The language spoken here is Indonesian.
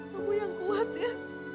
kamu yang kuat ya